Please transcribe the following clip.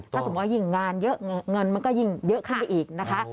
ถ้าสมมุติยิ่งงานเยอะเงินมันก็ยิ่งเยอะขึ้นไปอีกนะคะ